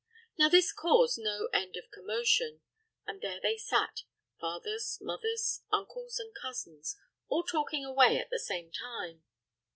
Now this caused no end of commotion. And there they sat—fathers, mothers, uncles, and cousins, all talking away at the same time.